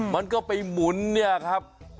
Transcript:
มันก็ไปหมุนเนี่ยครับ